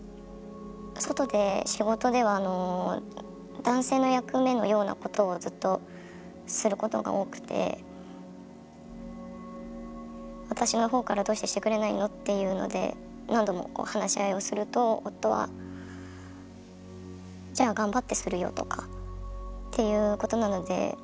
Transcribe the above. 外で仕事では男性の役目のようなことをずっとすることが多くて私の方から「どうしてしてくれないの？」っていうので何度もこう話し合いをすると夫は「じゃあ頑張ってするよ」とかっていうことなので。